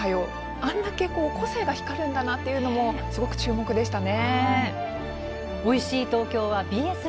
あれだけ個性が光るんだなというのもすごく注目でしたね。